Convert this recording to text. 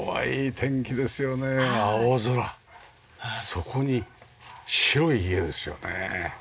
そこに白い家ですよね。